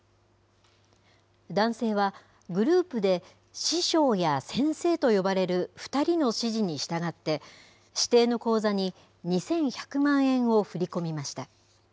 男性はグループで師匠や先生と呼ばれる２人の指示に従って、指定の口座に２１００万円を振り込みました。